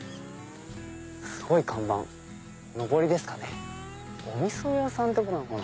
すごい看板のぼりですかねお味噌屋さんなのかな？